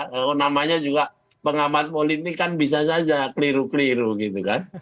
kalau namanya juga pengamat politik kan bisa saja keliru keliru gitu kan